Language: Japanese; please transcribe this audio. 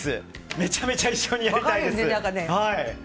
めちゃめちゃ一緒にやりたいです。